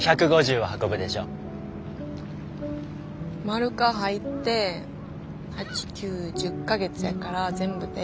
マルカ入って８９１０か月やから全部で？